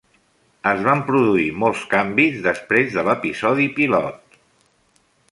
Es van produir molts canvis després de l'episodi pilot.